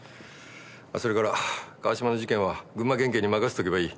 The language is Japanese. それから川島の事件は群馬県警に任せておけばいい。